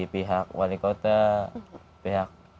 pihak wali kota pihak